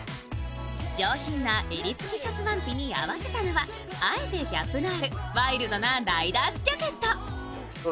上品な襟付きシャツワンピに合わせたのは、あえてギャップのあるワイルドなライダースジャケット。